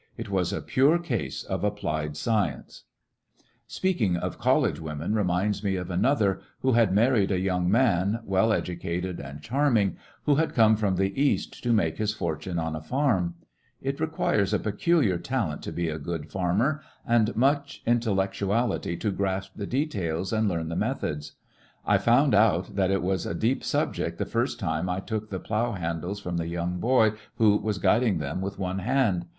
It was a pure case of applied science. Speeding the Speaking of collcgc women reminds me of ^^^^^ another^ who had married a young man^ well 44 lyiissionarY m i^ Great West educated and charming, who had come from the East to make his fortune on a farm. It requires a peculiar talent to be a good farmer, and much intellectuality to grasp the details and learn the methods. I found out that it was a deep subject the first time I took the plough handles from the young boy who was guiding them with one hand.